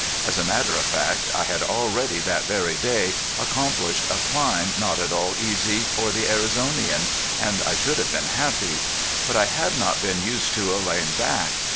As a matter of fact I had already that very day accomplished a climb not at all easy for the Arizonian, and I should have been happy. But I had not been used to a lame back.